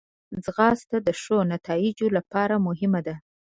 ځغاسته د ښو نتایجو لپاره مهمه ده